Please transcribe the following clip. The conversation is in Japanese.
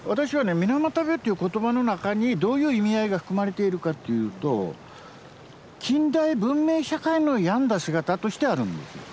水俣病っていう言葉の中にどういう意味合いが含まれているかっていうと近代文明社会の病んだ姿としてあるんです。